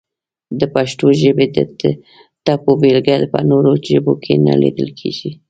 د پښتو ژبې د ټپو بېلګه په نورو ژبو کې نه لیدل کیږي!